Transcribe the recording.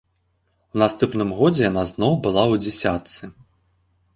У наступным годзе яна зноў была ў дзесятцы.